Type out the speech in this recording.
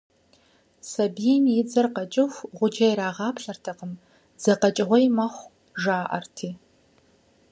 Сабийм и дзэр къэкӏыху гъуджэ ирагъаплъэртэкъым, дзэ къэкӏыгъуей мэхъу, жаӏэрти.